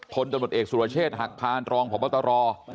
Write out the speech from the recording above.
พลตำรวจเอกสุรเชษฐ์หักพานรองพบตร